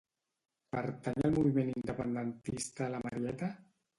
Pertany al moviment independentista la Marieta?